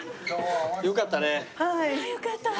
よかったね。